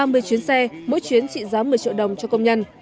mỗi vé xe mỗi chuyến trị giá một mươi triệu đồng cho công nhân